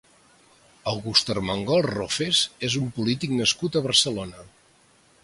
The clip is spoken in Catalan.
August Armengol Rofes és un polític nascut a Barcelona.